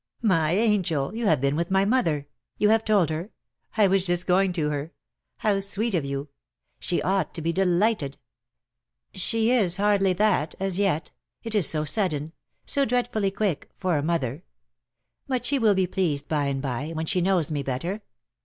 "My angel! You have been with my mother? You have told her? I was just going to her. How sweet of you! — She ought to be delighted." "She is hardly that — as yet. It is so sudden — so dreadfully quick — for a mother. But she will be pleased by and by, when she knows me better.